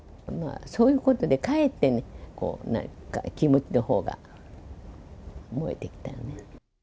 そういうことでかえってね、なんか気持ちのほうが燃えてきたのね。